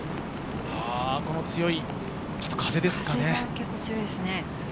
風が結構、強いですね。